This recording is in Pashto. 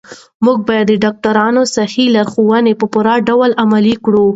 موږ باید د ډاکترانو صحي لارښوونې په پوره ډول عملي کړو.